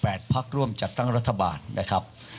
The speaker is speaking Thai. แปดภักดิ์ร่วมจัดตั้งรัฐบาลนะครับ